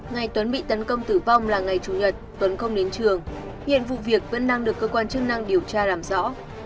ngày tuấn bị tấn công tử vong là ngày chủ nhật tuấn không đến trường hiện vụ việc vẫn đang được cơ quan chức năng điều tra làm rõ